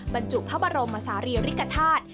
บรรจุพระบรมศาลีริกฐาตุ